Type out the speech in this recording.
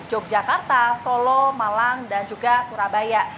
yogyakarta solo malang dan juga surabaya